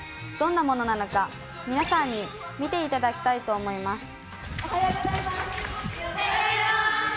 どんなものなのか皆さんに見ていただきたいと思います。